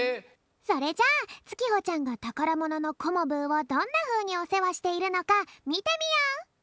それじゃあつきほちゃんがたからもののコモブーをどんなふうにおせわしているのかみてみよう！